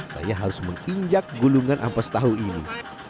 saya harus menginjak gulungan ampas tahu ini